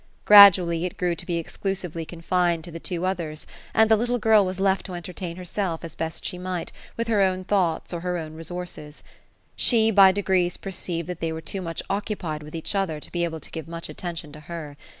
Gradually, it grew to be ex clusively confined to the two others, and the little girl was left to enter tain herself, as she best might, with her own though t.s. or her own resources. She by degrees perceived that they were too much occupied with each other to be able to give much attention to her.